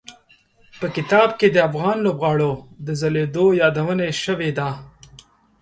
په کتاب کې د افغان لوبغاړو د ځلېدو یادونه شوي ده.